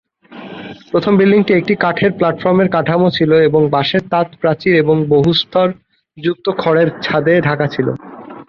প্রথম বিল্ডিংটি একটি কাঠের প্ল্যাটফর্মের কাঠামো ছিল এবং বাঁশের তাঁত প্রাচীর এবং বহু-স্তরযুক্ত খড়ের ছাদে ঢাকা ছিল।